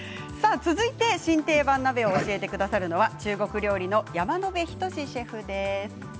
続いて新定番鍋を教えてくださるのは中国料理の山野辺仁シェフです。